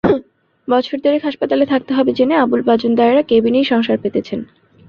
বছর দেড়েক হাসপাতালে থাকতে হবে জেনে আবুল বাজনদারেরা কেবিনেই সংসার পেতেছেন।